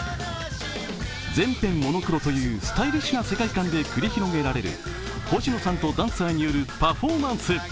全編モノクロというスタイリッシュな世界観で繰り広げられる星野さんとダンサーによるパフォーマンス。